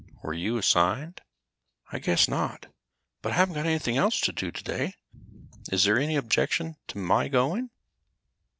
Were you assigned?" "I guess not, but I haven't got anything else to do today. Is there any objection to my going?"